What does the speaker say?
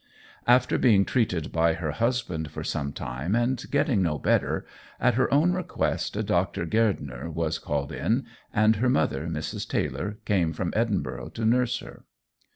After being treated by her husband for some time, and getting no better, at her own request a Dr. Gairdner was called in, and her mother, Mrs. Taylor, came from Edinburgh to nurse her.